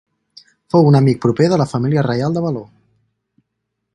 Fou un amic proper de la família reial de Valois.